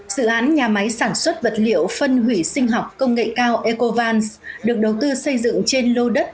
dự án nhà máy sản xuất vật liệu phân hủy sinh học công nghệ cao ecovans được đầu tư xây dựng trên lô đất